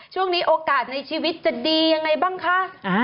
ช่วงนี้โอกาสในชีวิตจะดีอย่างไรบ้างคะ